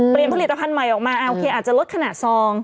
เปลี่ยนผลิตภัณฑ์ใหม่ออกมาอาจจะลดขนาดซอง